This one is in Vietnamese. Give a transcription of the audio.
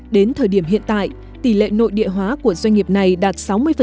đến thời điểm hiện tại tỷ lệ nội địa hóa của doanh nghiệp này đạt sáu mươi